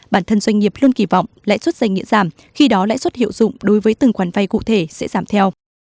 bản thân doanh nghiệp luôn kỳ vọng lãi xuất doanh nghiệp giảm khi đó lãi xuất hiệu dụng đối với từng quán vay cụ thể sẽ giảm theo